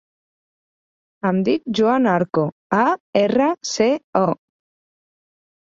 Em dic Joan Arco: a, erra, ce, o.